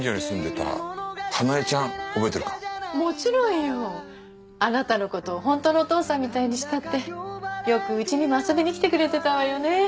もちろんよ。あなたの事を本当のお父さんみたいに慕ってよくうちにも遊びに来てくれてたわよね。